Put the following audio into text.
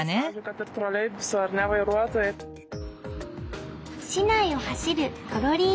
市内を走るトロリーバスや。